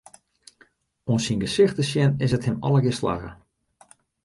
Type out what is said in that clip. Oan syn gesicht te sjen, is it him allegear slagge.